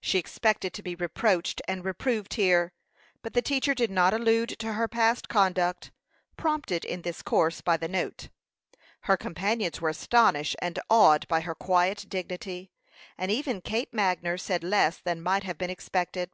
She expected to be reproached and reproved here, but the teacher did not allude to her past conduct, prompted in this course by the note; her companions were astonished and awed by her quiet dignity, and even Kate Magner said less than might have been expected.